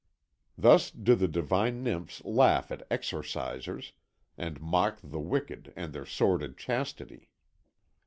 Thus do the divine nymphs laugh at exorcisers, and mock the wicked and their sordid chastity.